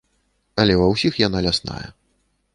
Але ва ўсіх яна лясная.